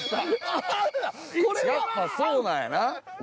やっぱそうなんやな。